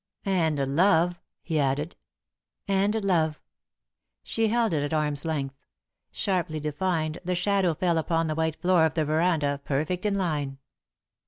"And love," he added. "And love." She held it at arm's length. Sharply defined, the shadow fell upon the white floor of the veranda, perfect in line.